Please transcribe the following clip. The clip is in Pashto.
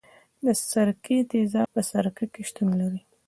د سرکې تیزاب په سرکه کې شتون لري.